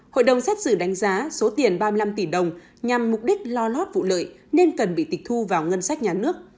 hội đồng xét xử đánh giá số tiền ba mươi năm tỷ đồng nhằm mục đích lo lót vụ lợi nên cần bị tịch thu vào ngân sách nhà nước